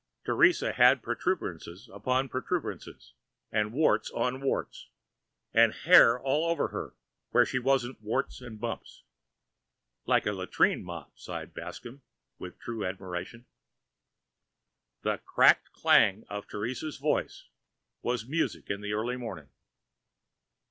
Teresa had protuberances upon protuberances and warts on warts, and hair all over her where she wasn't warts and bumps. "Like a latrine mop!" sighed Bascomb with true admiration. The cracked clang of Teresa's voice was music in the early morning.